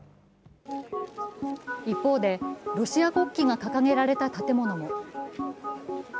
一方で、ロシア国旗が掲げられた建物も。